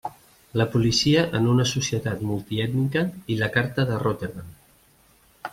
La policia en una societat multi ètnica i la carta de Rotterdam.